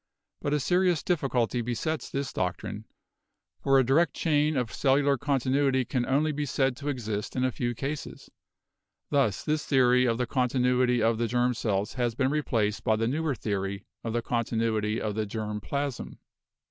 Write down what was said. But a serious difficulty besets this doctrine, for a direct chain of cellular continuity can only be said to exist in a few cases. Thus this theory of the continuity of the germ cells has been replaced by the newer theory of the continuity of the germ plasm.